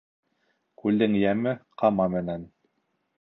Күлдең йәме ҡама менән